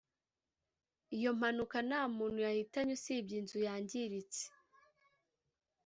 iyo mpanuka nta muntu yahitanye usibye inzu yangiritse